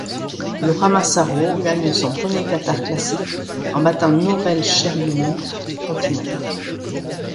Laura Massaro gagne son premier Qatar Classic, en battant Nour El Sherbini en finale.